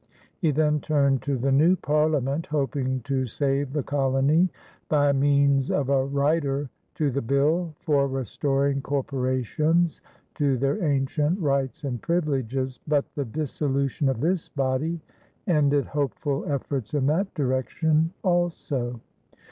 He then turned to the new Parliament, hoping to save the colony by means of a rider to the bill for restoring corporations to their ancient rights and privileges; but the dissolution of this body ended hopeful efforts in that direction also.